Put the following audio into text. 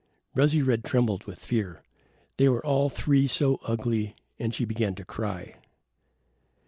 Rosy red trembled with fear. They were all three so ugly, and she began to cry.